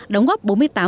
đóng góp bốn mươi tám chín